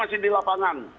kita masih di lapangan